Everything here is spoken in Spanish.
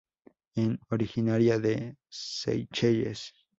Es originaria de Seychelles.